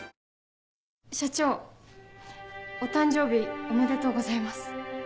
社長お誕生日おめでとうございます。